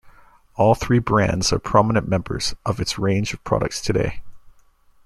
All three brands are prominent members of its range of products today.